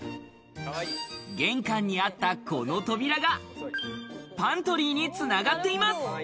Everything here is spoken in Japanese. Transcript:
玄関にあったこの扉がパントリーに繋がっています。